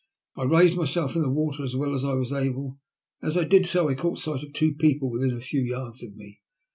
I raised myself in the wat^r as well as I was able, and as I did so I caught sight of two people within a few yards of me.